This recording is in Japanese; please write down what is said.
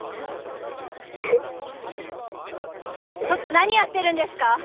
ちょっと何やってるんですか！？